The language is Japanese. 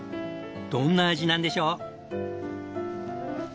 どんな味なんでしょう？